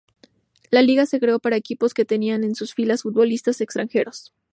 La liga se creó para equipos que tenían en sus filas futbolista extranjeros.